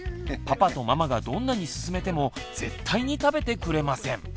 パパとママがどんなにすすめても絶対に食べてくれません。